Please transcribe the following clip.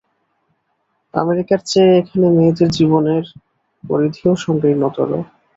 আমেরিকার চেয়ে এখানে মেয়েদের জীবনের পরিধিও সংকীর্ণতর।